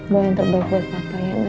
gue yang terbaik buat papanya nay